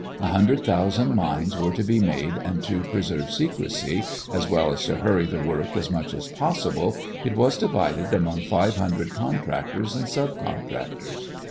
A hundred thousand mines were to be made and to preserve secrecy, as well as to hurry the work as much as possible, it was divided among five hundred contractors and subcontractors.